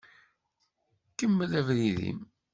Kemmel abrid-im.